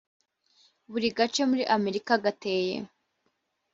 buri gace muri amerika gateye